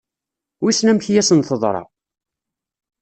Wissen amek i asen-teḍra?